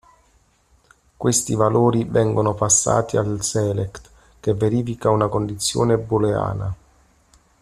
Questi valori vengono passati al Select che verifica una condizione booleana.